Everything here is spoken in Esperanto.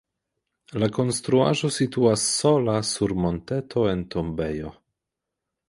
La konstruaĵo situas sola sur monteto en tombejo.